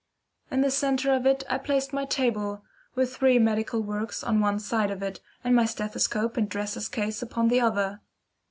In the centre of it I placed my table, with three medical works on one side of it, and my stethoscope and dresser's case upon the other.